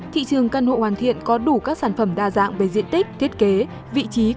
thị trường căn hộ hoàn thiện có đủ các sản phẩm đa dạng về diện tích thiết kế vị trí